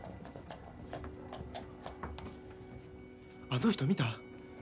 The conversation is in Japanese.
あの人見た？